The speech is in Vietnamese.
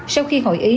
sau khi hội ý